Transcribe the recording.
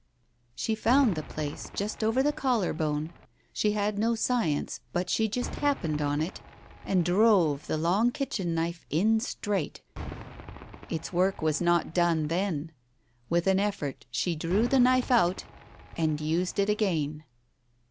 She found the place, just over the collar bone — she had no science but she just happened on it, — and drove the long kitchen knife in straight. Its work was not done then. With an effort she drew the knife out and used it again.